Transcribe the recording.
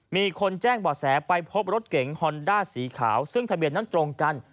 มีคนแจ้งบ่อแสไปพบรถเก๋งฮอนด้าสีขาวซึ่งทะเบียนนั้นตรงกัน